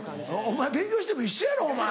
お前勉強しても一緒やろお前！